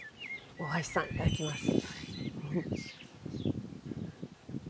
大箸さんいただきます。